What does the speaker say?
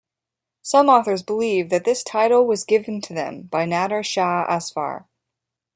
Some authors believe that this title was given to them by Nader Shah Afshar.